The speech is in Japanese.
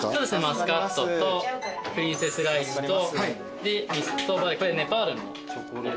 マスカットとプリンセスライチとでミストバレーこれネパールの。